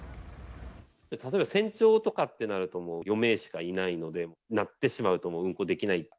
例えば船長とかってなると、４名しかいないので、なってしまうともう運航できない。